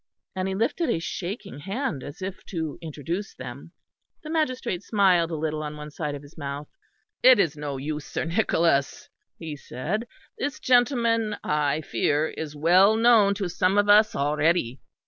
And he lifted a shaking hand as if to introduce them. The magistrate smiled a little on one side of his mouth. "It is no use, Sir Nicholas," he said, "this gentleman, I fear, is well known to some of us already.